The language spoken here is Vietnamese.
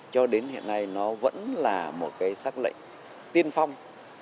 cho đến hiện nay nó vẫn là một cái xác lệnh tiên phong